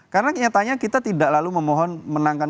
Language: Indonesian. karena kenyataannya kita tidak lalu memohon menangkan